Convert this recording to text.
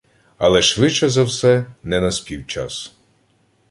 Але, швидше за все, – не наспів час